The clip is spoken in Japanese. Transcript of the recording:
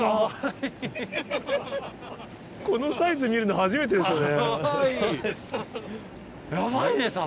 このサイズ見るの初めてですよね。